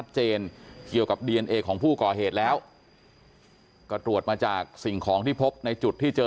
เกี่ยวกับดีเอนเอของผู้ก่อเหตุแล้วก็ตรวจมาจากสิ่งของที่พบในจุดที่เจอ